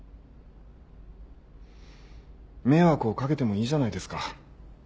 迷惑をかけてもいいじゃないですか。